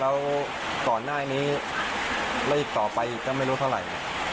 แล้วก่อนหน้านี้แล้วอีกต่อไปอีกก็ไม่รู้เท่าไหร่